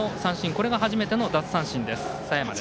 これが初めての奪三振、佐山。